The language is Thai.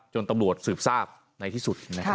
ตำรวจสืบทราบในที่สุด